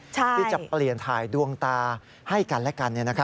ที่จะเปลี่ยนถ่ายดวงตาให้กันและกัน